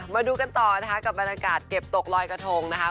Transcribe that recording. มาดูกันต่อนะคะกับบรรยากาศเก็บตกลอยกระทงนะคะ